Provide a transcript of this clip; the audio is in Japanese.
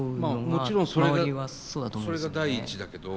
もちろんそれが第一だけど。